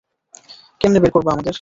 কেমনে বের করবা আমাদের!